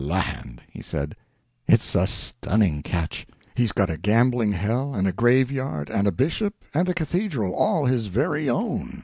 "Land!" he said, "it's a stunning catch! He's got a gambling hall, and a graveyard, and a bishop, and a cathedral all his very own.